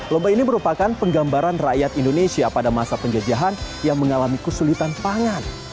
lomba ini merupakan penggambaran rakyat indonesia pada masa penjajahan yang mengalami kesulitan pangan